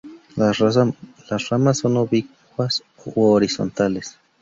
Las ramas son oblicuas u horizontales.